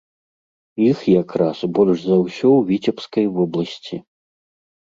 Іх як раз больш за ўсё ў віцебскай вобласці.